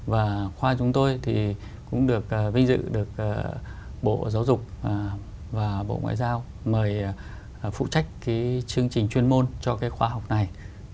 và khóa chúng tôi thì cũng được vinh dự được bộ giáo dục và bộ ngoại giao mời phụ trách chương trình chuyên môn cho cái khóa học này